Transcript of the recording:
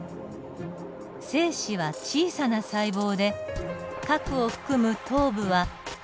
精子は小さな細胞で核を含む頭部は５μｍ。